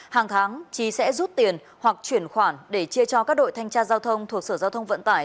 hàng tháng trí sẽ rút tiền hoặc chuyển khoản để chia cho các đội thanh tra giao thông thuộc sở giao thông vận tải